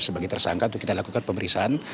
sebagai tersangka untuk kita lakukan pemeriksaan